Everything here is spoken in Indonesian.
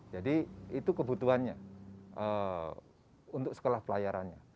jadi itu kebutuhannya untuk sekolah pelayarannya